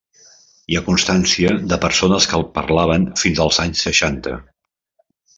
Hi ha constància de persones que el parlaven fins als anys seixanta.